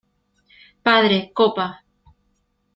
¡ padre, copa!